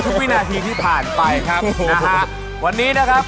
วินาทีที่ผ่านไปครับนะฮะวันนี้นะครับ